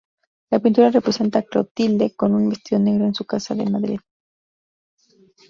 La pintura representa a Clotilde con un vestido negro en su casa de Madrid.